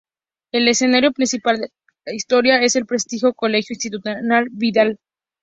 El escenario principal de la historia es el prestigioso colegio Instituto Vidal.